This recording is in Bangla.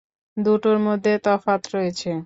দুটোর মধ্যে তফাৎ রয়েছে।